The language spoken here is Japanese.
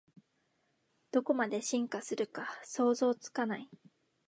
どこまで進化するか想像つかない